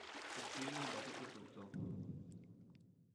Il film è andato perduto.